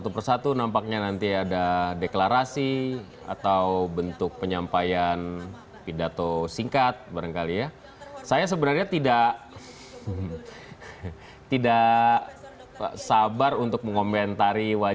assalamualaikum warahmatullahi wabarakatuh selamat siang selamat sejahtera untuk kita semua